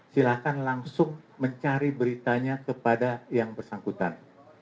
silahkan langsung mencari beritanya kepada yang bersangkutan